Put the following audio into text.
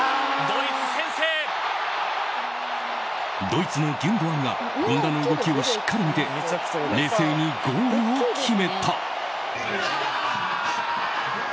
ドイツのギュンドアンが権田の動きをしっかり見て冷静にゴールを決めた。